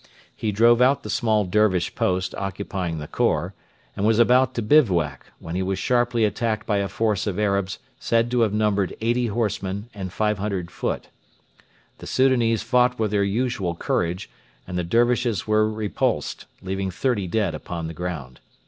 He drove out the small Dervish post occupying the khor, and was about to bivouac, when he was sharply attacked by a force of Arabs said to have numbered 80 horsemen and 500 foot. The Soudanese fought with their usual courage, and the Dervishes were repulsed, leaving thirty dead upon the ground.